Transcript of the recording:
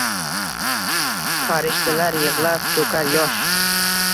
Farishtalar yig’lab to’kar yosh.